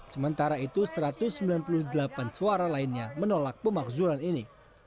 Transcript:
sementara itu satu ratus sembilan puluh delapan suara lainnya menolak pemakzulan ini